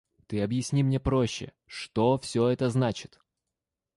– Ты объясни мне проще: что все это значит?